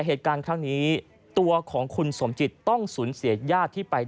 เหตุการณ์ทั้งนี้ตัวของคุณสมจิตต้องศูนย์เสียยาที่ไปด้วย